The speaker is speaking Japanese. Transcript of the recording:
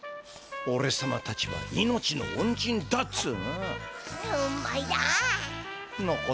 おれさまたちは命のおんじんだっつうの。